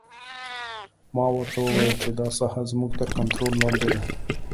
ما ورته وویل چې دا ساحه زموږ تر کنترول لاندې ده